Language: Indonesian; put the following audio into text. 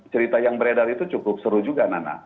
cerita yang beredar itu cukup seru juga nana